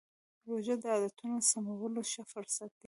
روژه د عادتونو سمولو ښه فرصت دی.